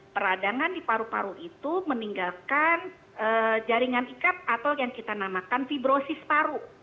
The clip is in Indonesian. peradangan di paru paru itu meninggalkan jaringan ikat atau yang kita namakan fibrosis paru